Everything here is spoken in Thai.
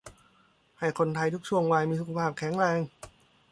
ให้คนไทยทุกช่วงวัยมีสุขภาพแข็งแรง